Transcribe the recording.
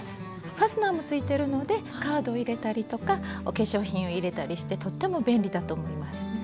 ファスナーもついてるのでカードを入れたりとかお化粧品を入れたりしてとっても便利だと思います。